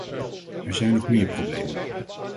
Er zijn nog meer problemen.